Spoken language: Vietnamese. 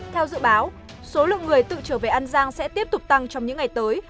theo dự báo số lượng người tự trở về an giang sẽ tiếp tục tăng trong những ngày tới